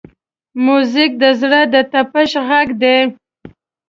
موزیک د زړه د طپش غږ دی.